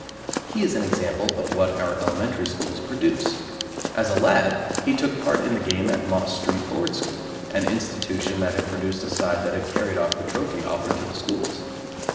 He is an example of what our elementary schools produce. As a lad he took part in the game at Moss Street Board School, an institution that had produced a side that had carried off the trophy offered to the schools.